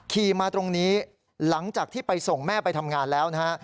ขี่มาตรงนี้หลังจากที่ไปส่งแม่ไปทำงานแล้วนะฮะ